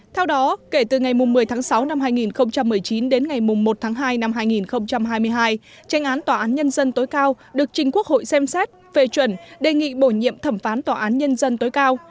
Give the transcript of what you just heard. theo đó kể từ ngày một mươi tháng sáu năm hai nghìn một mươi chín đến ngày một tháng hai năm hai nghìn hai mươi hai tranh án tòa án nhân dân tối cao được trình quốc hội xem xét phê chuẩn đề nghị bổ nhiệm thẩm phán tòa án nhân dân tối cao